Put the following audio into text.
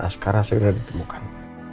askara selera ditemukan